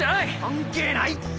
関係ないって！